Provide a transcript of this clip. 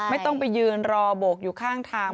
ไม่ต้องไปยืนรอโบกอยู่ข้างทาง